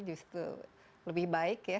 justru lebih baik ya